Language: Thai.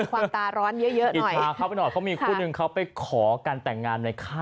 วันที่๑๔จะมีความตาร้อนเยอะ